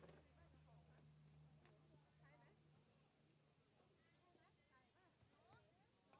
สวัสดีครับ